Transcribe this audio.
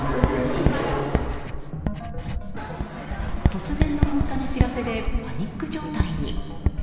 突然の封鎖の知らせでパニック状態に。